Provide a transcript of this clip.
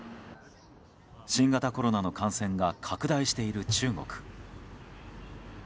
新型コロナの感染が拡大している中国。